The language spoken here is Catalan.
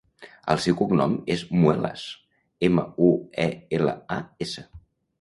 El seu cognom és Muelas: ema, u, e, ela, a, essa.